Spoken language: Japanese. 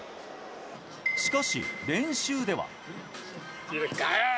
しかし、練習では。